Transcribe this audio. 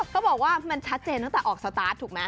เขาบอกว่ามันชัดเจนตั้งแต่ออกสตาร์ทถูกไหม